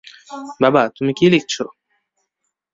বাবা, তুমি কি লিখছ?